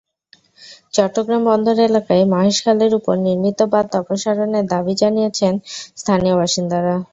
চট্টগ্রাম বন্দর এলাকায় মহেশখালের ওপর নির্মিত বাঁধ অপসারণের দাবি জানিয়েছেন স্থানীয় বাসিন্দারা।